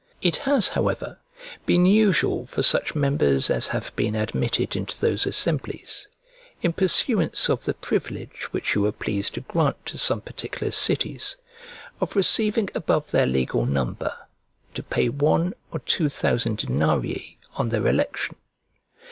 It has, however, been usual for such members as have been admitted into those assemblies, in pursuance of the privilege which you were pleased to grant to some particular cities, of receiving above their legal number, to pay one or two thousand denarii on their election.